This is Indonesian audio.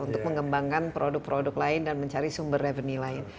untuk mengembangkan produk produk lain dan mencari sumber revenue lain